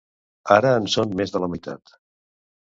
Ara en són més de la meitat.